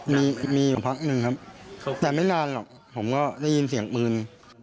มีมีอยู่พักหนึ่งครับแต่ไม่นานหรอกผมก็ได้ยินเสียงปืน